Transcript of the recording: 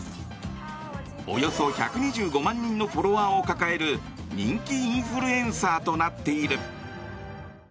およそ１２５万人のフォロワーを抱える人気インフルエンサーとなっている。